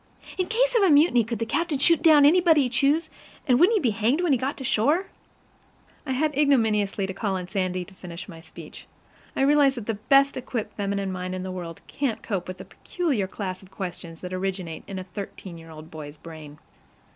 In case of a mutiny, could the captain shoot down anybody he chose, and wouldn't he be hanged when he got to shore? I had ignominiously to call upon Sandy to finish my speech. I realize that the best equipped feminine mind in the world can't cope with the peculiar class of questions that originate in a thirteen year boy's brain.